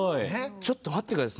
ちょっと待って下さい。